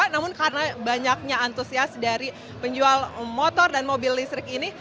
namun karena banyaknya antusias dari penjual motor dan mobil listrik ini